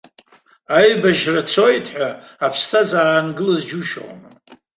Аибашьра цоит ҳәа, аԥсҭазаара аангылаз џьушьома!